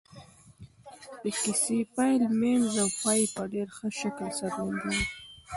د کيسې پيل منځ او پای په ډېر ښه شکل څرګندېږي.